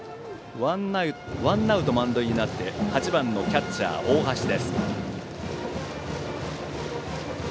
ワンアウト満塁となって８番キャッチャー、大橋です。